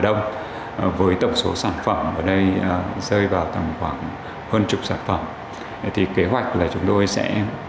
đông với tổng số sản phẩm ở đây rơi vào tầm khoảng hơn chục sản phẩm thì kế hoạch là chúng tôi sẽ